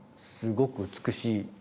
すごく美しい。